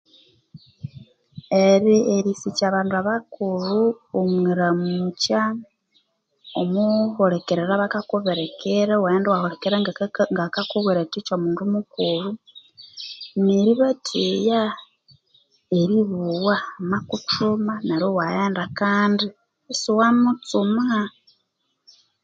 Eri erisikya abandu abakulhu omwiramukya omwihulikirira bakakubirikira iwaghenda iwahulikirira ngakakubwira athiki omundu mukulhu neri batheya neri bowa bamakuthuma